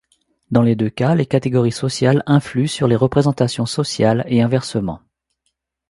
Dans les deux cas, les catégories sociales influent sur les représentations sociales, et inversement.